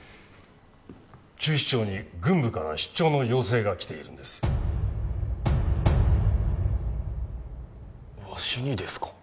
厨司長に軍部から出張の要請がきているんですわしにですか？